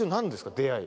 出会い。